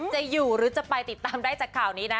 จะอยู่หรือจะไปติดตามได้จากข่าวนี้นะ